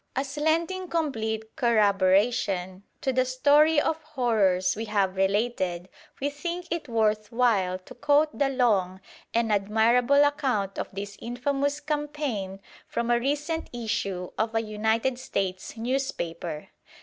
As lending complete corroboration to the story of horrors we have related, we think it worth while to quote the long and admirable account of this infamous campaign from a recent issue of a United States newspaper.